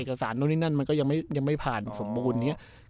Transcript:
เอกสารโน้นนี่นั่นมันก็ยังไม่ผ่านสมบูรณ์